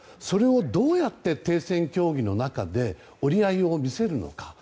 それを、どうやって停戦協議の中で折り合いを見せるのか。